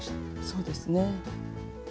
そうですね。